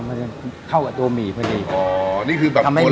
มันจะเข้ากับตัวหมี่พอดีอ๋อนี่